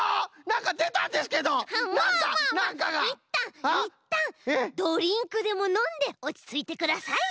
まあまあまあいったんいったんドリンクでものんでおちついてください。